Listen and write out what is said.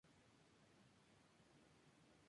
Su madre murió cuando ella era muy joven.